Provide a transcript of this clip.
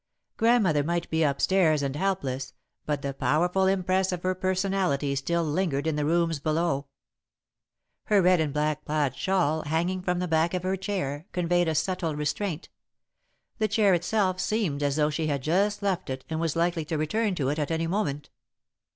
Grandmother might be up stairs and helpless but the powerful impress of her personality still lingered in the rooms below. Her red and black plaid shawl, hanging from the back of her chair, conveyed a subtle restraint; the chair itself seemed as though she had just left it and was likely to return to it at any moment.